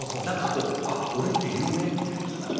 何かこう「あっ俺って有名？」みたいな。